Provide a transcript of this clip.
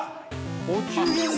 お中元だ。